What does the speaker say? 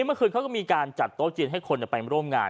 เมื่อคืนเค้าก็จัดเต้าจีนให้คนไปแบบนี้